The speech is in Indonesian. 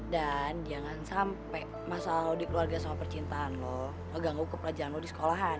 dan jangan sampai masalah lo dikeluarga sama percintaan lo lo ganggu ke pelajaran lo di sekolahan